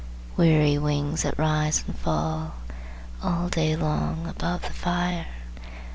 Weary wings that rise and fall All day long above the fire!"